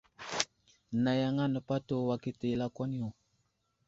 Nayaŋa nəpato wakita i lakwan yo.